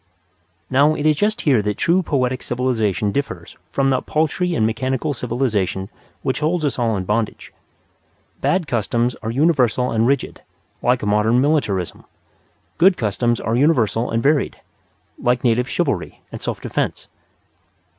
Now, it is just here that true poetic civilization differs from that paltry and mechanical civilization which holds us all in bondage. Bad customs are universal and rigid, like modern militarism. Good customs are universal and varied, like native chivalry and self defence.